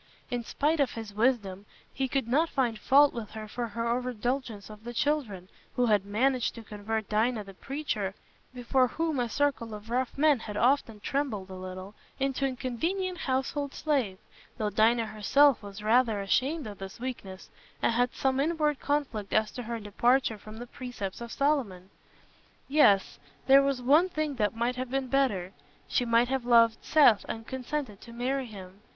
In spite of his wisdom, he could not find fault with her for her overindulgence of the children, who had managed to convert Dinah the preacher, before whom a circle of rough men had often trembled a little, into a convenient household slave—though Dinah herself was rather ashamed of this weakness, and had some inward conflict as to her departure from the precepts of Solomon. Yes, there was one thing that might have been better; she might have loved Seth and consented to marry him.